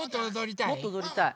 もっとおどりたい。